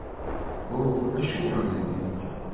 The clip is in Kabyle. Uh! Acuɣer d nekk?!